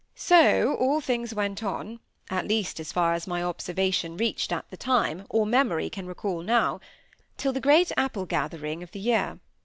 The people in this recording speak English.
So all things went on, at least as far as my observation reached at the time, or memory can recall now, till the great apple gathering of the year.